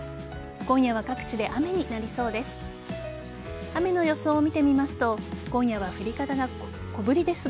今夜は各地で雨になりそうです。